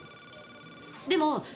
でも！